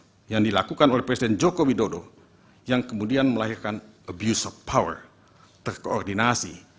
yang dilakukan oleh presiden joko widodo yang kemudian melahirkan abuse of power terkoordinasi